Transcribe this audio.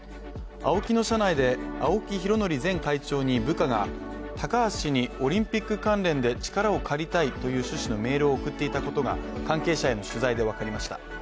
ＡＯＫＩの車内で青木拡憲前会長に部下が、高橋にオリンピック関連で力を借りたいという趣旨のメールを送っていたことが関係者への取材で分かりました。